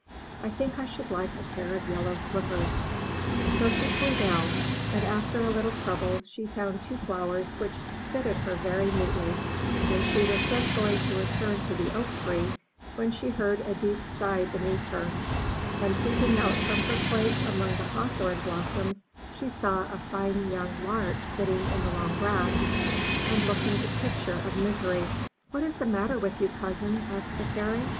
I think I should like a pair of yellow slippers.'* So she flew down, and, after a little trouble, she found two flowers which fitted her very neatly, and she was just going to return to the oak tree, when she heard a deep sigh beneath her, and peep ing out from her place among the hawthorn blos soms, she saw a fine young 359 MY BOOK HOUSE Lark sitting in the long grass, and looking the picture of misery. 'What is the matter with you, cousin?*' asked the Fairy.